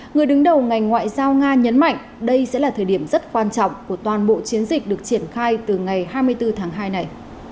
người đứng đầu ngành ngoại giao nga nhấn mạnh đây sẽ là thời điểm rất quan trọng của toàn bộ chiến dịch được triển khai từ ngày hai mươi bốn tháng hai này